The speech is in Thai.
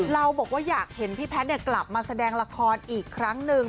เราบอกว่าอยากเห็นพี่แพทย์กลับมาแสดงละครอีกครั้งหนึ่ง